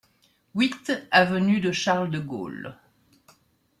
huit avenue de Charles De Gaulle